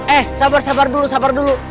eh sabar sabar dulu sabar dulu